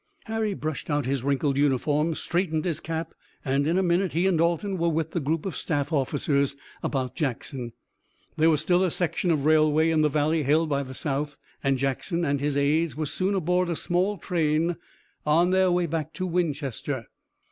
Harry brushed out his wrinkled uniform, straightened his cap, and in a minute he and Dalton were with the group of staff officers about Jackson. There was still a section of railway in the valley held by the South, and Jackson and his aides were soon aboard a small train on their way back to Winchester.